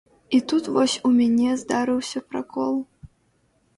І тут вось у мяне здарыўся пракол.